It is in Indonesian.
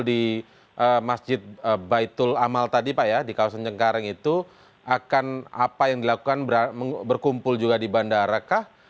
di masjid baitul amal tadi pak ya di kawasan cengkareng itu akan apa yang dilakukan berkumpul juga di bandara kah